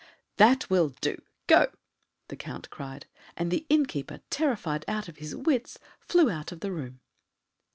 "That will do go!" the Count cried; and the innkeeper, terrified out of his wits, flew out of the room.